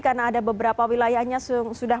karena ada beberapa wilayahnya sudah masuk zona merah